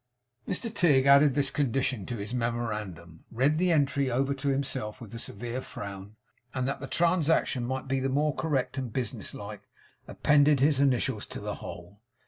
Mr Tigg added this condition to his memorandum; read the entry over to himself with a severe frown; and that the transaction might be the more correct and business like, appended his initials to the whole.